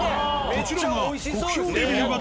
こちらが。